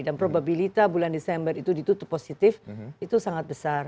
probabilita bulan desember itu ditutup positif itu sangat besar